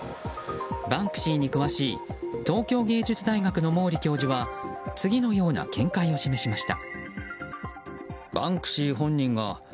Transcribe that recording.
バンクシーに詳しい東京芸術大学の毛利教授は次のような見解を示しました。